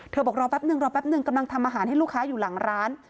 บอกรอแป๊บนึงรอแป๊บนึงกำลังทำอาหารให้ลูกค้าอยู่หลังร้าน